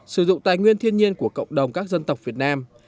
sử dụng tài nguyên thiên nhiên của cộng đồng các dân tộc việt nam